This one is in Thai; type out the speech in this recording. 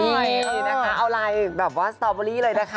ดีนะคะเอาอะไรแบบว่าสตรอเบอร์รี่เลยนะคะ